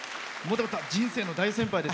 人生の大先輩です。